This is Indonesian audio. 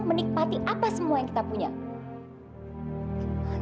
menikmati apa semua yang kita punya